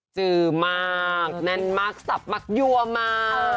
จือมากแน่นมากสับมักยั่วมาก